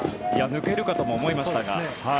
抜けるかとも思いましたが。